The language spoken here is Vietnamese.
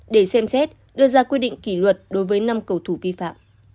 để xem xét đưa ra quy định kỷ luật đối với năm cầu thủ vi phạm